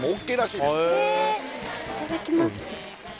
いただきます